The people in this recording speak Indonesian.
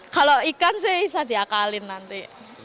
kalau ikan sih bisa diakalin nanti